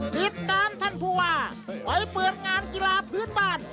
ติดตามท่านผู้ว่าไปเปิดงานกีฬาพื้นบ้าน